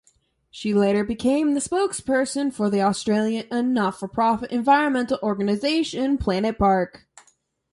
She later became the spokesperson for the Australian not-for-profit environmental organisation, Planet Ark.